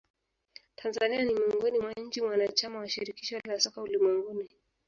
tanzania ni miongoni mwa nchi mwanachama wa shirikisho la soka ulimwenguni